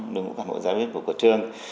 đồng hội giáo viên của trường